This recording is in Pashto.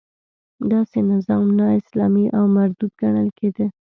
داسې نظام نا اسلامي او مردود ګڼل کېده.